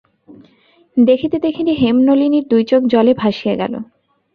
দেখিতে দেখিতে হেমনলিনীর দুই চোখ জলে ভাসিয়া গেল।